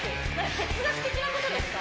哲学的なことですか？